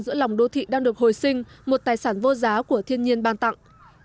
giữa lòng đô thị đang được hồi sinh một tài sản vô giá của thiên nhiên ban tặng